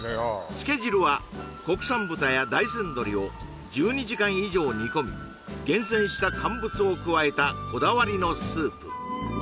つけ汁は国産豚や大山鶏を１２時間以上煮込み厳選した乾物を加えたこだわりのスープ